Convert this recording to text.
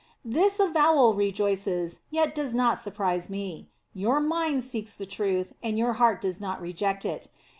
This avowal rejoices, yet does not surprise me. Your mind seeks the truth, and your heart does not reject it.